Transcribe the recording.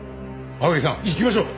青柳さん行きましょう！